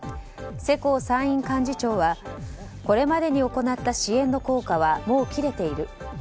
世耕参院幹事長はこれまでに行った支援の効果はもう切れている。